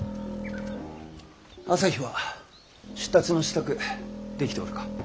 旭は出立の支度できておるか？